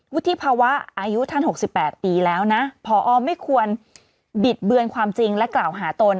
วุฒิภาวะอายุท่าน๖๘ปีแล้วนะพอไม่ควรบิดเบือนความจริงและกล่าวหาตน